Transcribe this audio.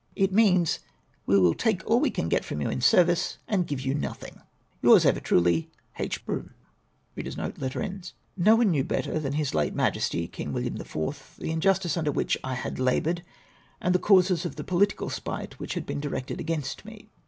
It means ' we will take all we can get from you in service, and give you nothing.' " Yours ever truly, " H. Brougham." No one knew better than His late Majesty, King William the Fourth, the injustice under whicli I had laboured, and the causes of tlie political spite Avhich had been directed a^'ainst me.